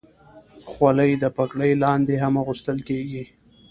خولۍ د پګړۍ لاندې هم اغوستل کېږي.